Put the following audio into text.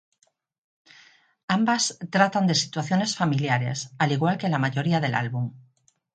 Ambas tratan de situaciones familiares, al igual que la mayoría del álbum.